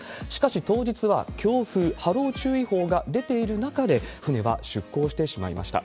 しかし、当日は強風・波浪注意報が出ている中で、船は出航してしまいました。